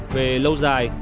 về lâu dài